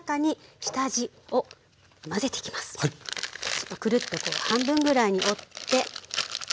ちょっとくるっとこう半分ぐらいに折って。